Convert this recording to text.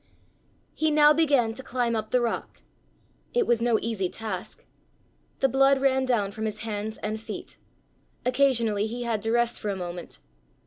He now began to climb up the rock. It was no easy task. The blood ran down from his hands and feet. Occasionally he had to rest for a moment.